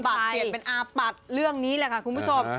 เปลี่ยนเป็นอาปัดเรื่องนี้แหละค่ะคุณผู้ชม